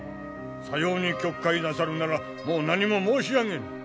さように曲解なさるならもう何も申し上げぬ。